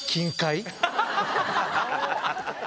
ハハハハハ！